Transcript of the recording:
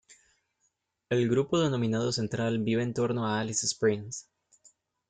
El grupo denominado central vive en torno a Alice Springs.